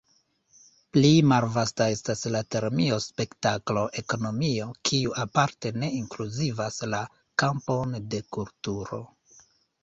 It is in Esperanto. Pli malvasta estas la termino spektaklo-ekonomio, kiu aparte ne inkluzivas la kampon de kulturo.